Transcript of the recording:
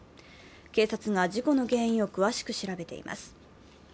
警察が事故の原因を詳しく調べています。